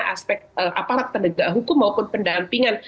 aspek aparat penegak hukum maupun pendampingan